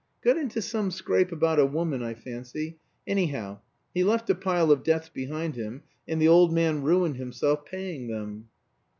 "Got into some scrape about a woman, I fancy. Anyhow he left a pile of debts behind him, and the old man ruined himself paying them."